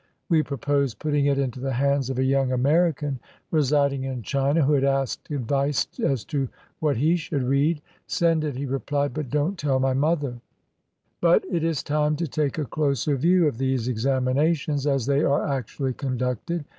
We proposed putting it into the hands of a young American residing in China, who had asked advice as to what he should read. "Send it," he replied, "but don't tell my mother." 223 CHINA But it is time to take a closer view of these examina tions as they are actually conducted.